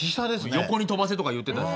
横に飛ばせとか言ってたし。